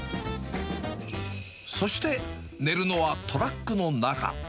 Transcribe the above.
そして寝るのはトラックの中。